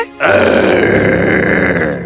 lari lebih cepat